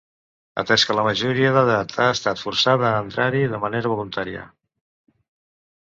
Atès que és major d’edat, ha estat forçada a entrar-hi de manera voluntària.